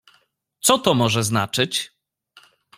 "Co to może znaczyć?"